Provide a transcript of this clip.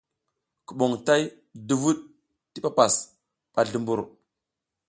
Kuɓom tay duvuɗ ti papas ɓa zlumbur.